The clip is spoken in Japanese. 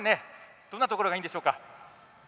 どんなところがいいんでしょうか。